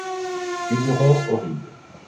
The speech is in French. Une horreur horrible.